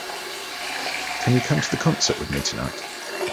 Can you come to the concert with me tonight?